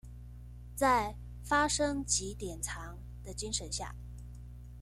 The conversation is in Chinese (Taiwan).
在「發生即典藏」的精神下